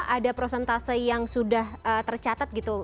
ada prosentase yang sudah tercatat gitu